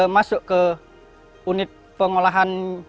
masuk ke unit pengolahan